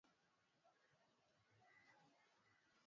Hivyo ni hoteli yenye hadhi kubwa kutokana na umuhimu wake